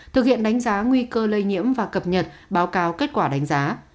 thực hiện đánh giá nguy cơ lây nhiễm và cập nhật báo cáo kết quả đánh giá